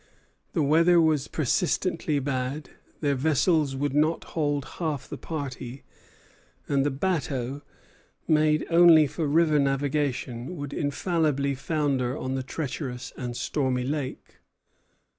The weather was persistently bad, their vessels would not hold half the party, and the bateaux, made only for river navigation, would infallibly founder on the treacherous and stormy lake.